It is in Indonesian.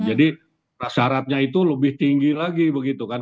jadi syaratnya itu lebih tinggi lagi begitu kan